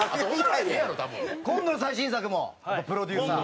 今度の最新作もプロデューサー。